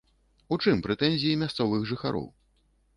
У чым прэтэнзіі мясцовых жыхароў?